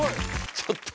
ちょっと。